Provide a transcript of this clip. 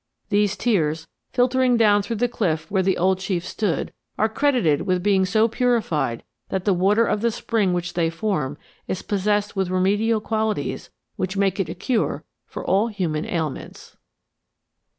These tears, filtering down through the cliff where the old Chief stood, are credited with being so purified that the water of the spring which they form is possessed with remedial qualities which make it a cure for all human ailments."